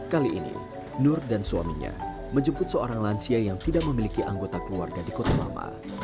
kali ini nur dan suaminya menjemput seorang lansia yang tidak memiliki anggota keluarga di kota lama